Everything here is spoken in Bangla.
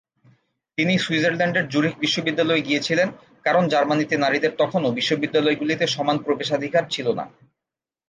তিনি সুইজারল্যান্ডের জুরিখ বিশ্ববিদ্যালয়ে গিয়েছিলেন, কারণ জার্মানিতে নারীদের তখনও বিশ্ববিদ্যালয়গুলিতে সমান প্রবেশাধিকার ছিল না।